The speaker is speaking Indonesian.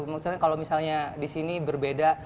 maksudnya kalau misalnya di sini berbeda